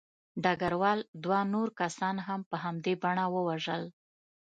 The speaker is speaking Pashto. ډګروال دوه نور کسان هم په همدې بڼه ووژل